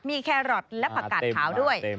มีแครอทและผักกาดขาวด้วย